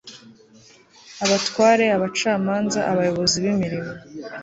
abatware, abacamanza, abayobozi b'imirimo